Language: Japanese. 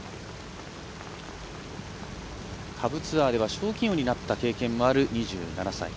下部ツアーでは賞金王になった経験もある２７歳。